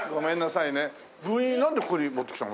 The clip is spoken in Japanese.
分院なんでここに持ってきたの？